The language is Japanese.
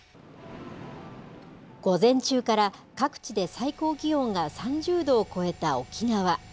午前中から、各地で最高気温が３０度を超えた沖縄。